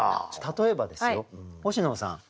例えばですよ星野さんはい。